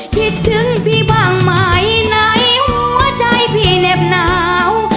คิดถึงพี่บ้างไหมไหนหัวใจพี่เหน็บหนาว